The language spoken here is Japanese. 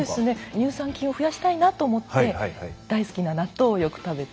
乳酸菌を増やしたいなと思って大好きな納豆をよく食べて。